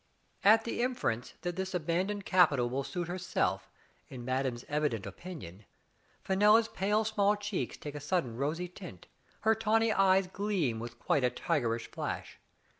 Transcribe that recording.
At the inference that this abandoned capital will suit herself, in madame's evident opinion, Fenella's pale small cheeks take a sudden rosy tint, her tawny eyes gleam with quite a tigerish flash.